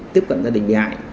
tiếp cận gia đình bị hại